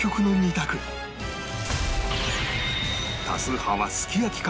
多数派はすき焼きか？